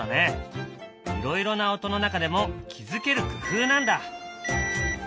いろいろな音の中でも気付ける工夫なんだ。